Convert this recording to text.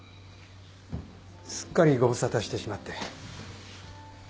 すっかりご無沙汰してしまって。